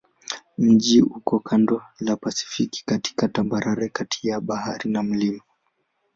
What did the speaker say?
Mji uko kando la Pasifiki katika tambarare kati ya bahari na milima.